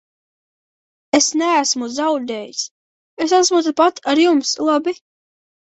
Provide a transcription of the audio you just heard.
Es neesmu zaudējis, es esmu tepat ar jums, labi?